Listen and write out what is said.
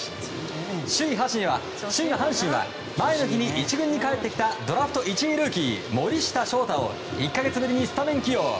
首位、阪神は前の日に１軍に帰ってきたドラフト１位ルーキー森下翔太を１か月ぶりにスタメン起用。